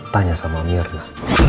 tanya sama mirna